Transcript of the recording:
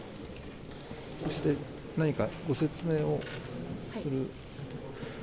そして、何かご説明をする。